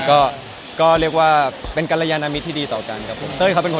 ก็เรียกว่าเป็นกำลังนามิตส์ที่ดีต่อกันครับผม